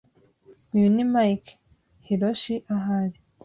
Uyu ni Mike. Hiroshi ahari?